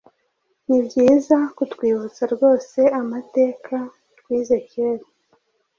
ni byiza kutwibutsa rwose amateka twize kera